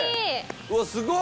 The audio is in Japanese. うわすごい！